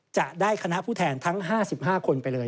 จะได้คณะผู้แทนทั้ง๕๕คนไปเลย